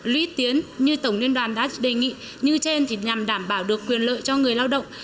lũy tiến như tổng liên đoàn đã đề nghị như trên thì nhằm đảm bảo được quyền lợi cho người lao động